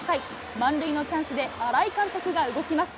満塁のチャンスで新井監督が動きます。